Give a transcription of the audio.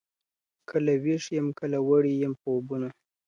کله ویښ یم کله وړی یم خوبونو.